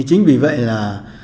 chính vì vậy là